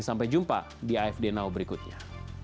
sampai jumpa di afd now berikutnya